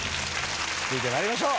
続いて参りましょう。